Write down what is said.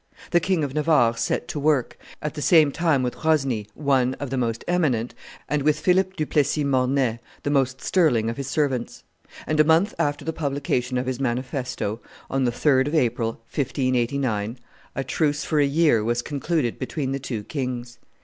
The King of Navarre set to work, at the same time with Rosny, one, of the most eminent, and with Philip du Plessis Mornay, the most sterling of his servants; and a month after the publication of his manifesto, on the 3d of April, 1589, a truce for a year was concluded between the two kings.